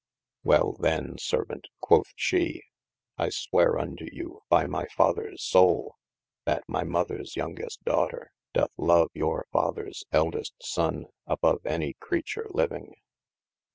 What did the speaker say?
Well then servaunt quoth shee, I sweare unto you by my Fathers Soule, yl my mothers youngest daughter, doth love your fathers eldest sone above any c[r]eature living.